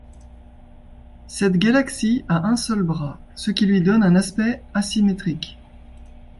Cette galaxie a un seul bras, ce qui lui donne un aspect asymétrique.